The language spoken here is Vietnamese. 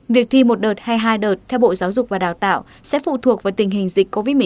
việc thi một đợt hay hai đợt theo bộ giáo dục và đào tạo sẽ phụ thuộc vào tình hình dịch covid một mươi chín